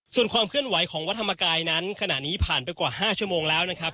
ส่วนความเคลื่อนไหวของวัดธรรมกายนั้นขณะนี้ผ่านไปกว่า๕ชั่วโมงแล้วนะครับ